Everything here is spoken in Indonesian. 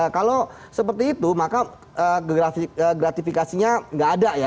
kalau seperti itu maka gratifikasinya nggak ada ya